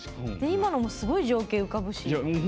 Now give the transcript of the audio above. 今のも、すごい情景浮かぶし。